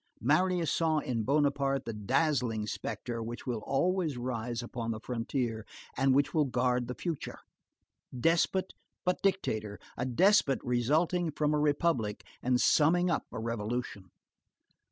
Marius saw in Bonaparte the dazzling spectre which will always rise upon the frontier, and which will guard the future. Despot but dictator; a despot resulting from a republic and summing up a revolution.